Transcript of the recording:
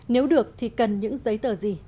nếu được thì cần những giấy tờ gì